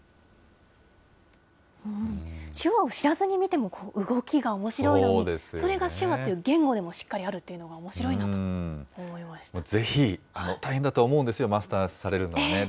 手話を知らずに見ても動きがおもしろいのに、それが手話という言語でもしっかりあるっていうのがおもしろいなぜひ、大変だとは思うんですよ、マスターされるのはね。